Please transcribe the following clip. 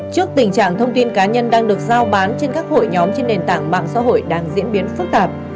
trước tình trạng thông tin cá nhân đang được giao bán trên các hội nhóm trên nền tảng mạng xã hội đang diễn biến phức tạp